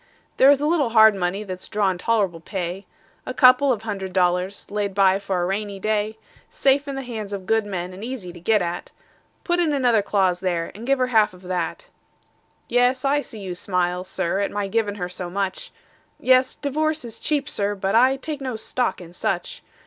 There is a little hard money that's drawin' tol'rable pay: A couple of hundred dollars laid by for a rainy day; Safe in the hands of good men, and easy to get at; Put in another clause there, and give her half of that. Yes, I see you smile, Sir, at my givin' her so much; Yes, divorce is cheap, Sir, but I take no stock in such!